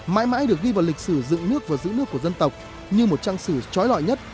mãi mãi được ghi vào lịch sử dựng nước và giữ nước của dân tộc như một trang sử trói lọi nhất